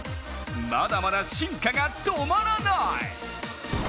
まだまだ進化が止まらない！